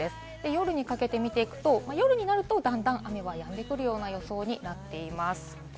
夜にかけて見ていくと夜になると段々雨はやんでくるような予想になっています。